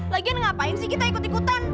lagian ngapain sih kita ikut ikutan